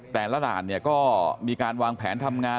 แต่ละด่านเนี่ยก็มีการวางแผนทำงาน